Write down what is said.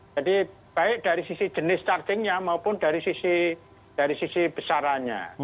jadi baik dari sisi jenis chargingnya maupun dari sisi besarannya